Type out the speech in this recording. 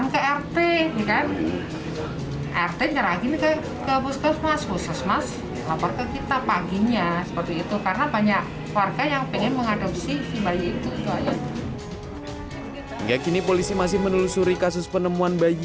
yang pengen mengadopsi si bayi itu juga ya hingga kini polisi masih menelusuri kasus penemuan bayi